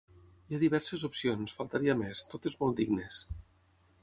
Hi ha diverses opcions, faltaria més, totes molt dignes.